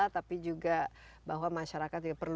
tapi juga bahwa masyarakat juga perlu